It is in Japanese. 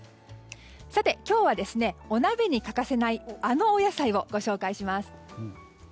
今日はお鍋に欠かせないあのお野菜をご紹介します。